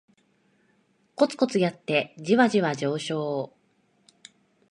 コツコツやってジワジワ上昇